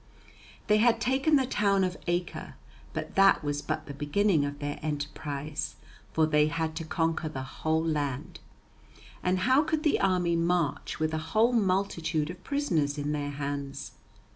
They had taken the town of Acre, but that was but the beginning of their enterprise, for they had to conquer the whole land. And how could the army march with a whole multitude of prisoners in their hands?